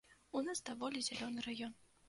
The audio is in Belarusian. У нас даволі зялёны раён.